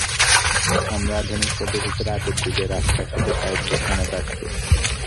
আমরা আধুনিক পদ্ধতিতে রাতের দিকে রাস্তা কেটে পাইপ বসানোর কাজ করছি।